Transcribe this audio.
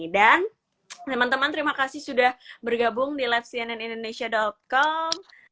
dan teman teman terima kasih sudah bergabung di livecnnindonesia com